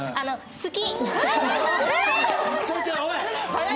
「好き」。